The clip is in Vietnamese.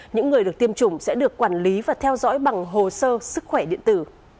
những người được tiêm chủng sẽ được quản lý và theo dõi bằng hồ sơ sức khỏe điện tử